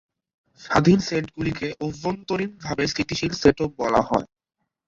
স্বাধীন সেটগুলিকে অভ্যন্তরীণভাবে স্থিতিশীল সেটও বলা হয়।